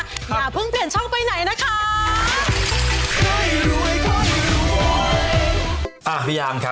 อย่าเพิ่งเปลี่ยนช่องไปไหนนะคะ